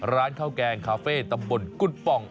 ร้านข้าวแกงคาเฟ่ตำบลกุฎป่อง